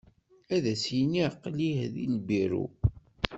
Ad as-yini aqlih di lbiru.